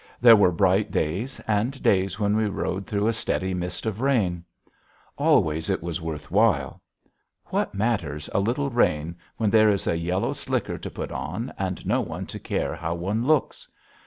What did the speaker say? There were bright days and days when we rode through a steady mist of rain. Always it was worth while. What matters a little rain when there is a yellow slicker to put on and no one to care how one looks?